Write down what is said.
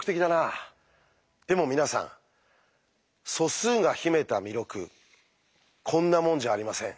でも皆さん素数が秘めた魅力こんなもんじゃありません。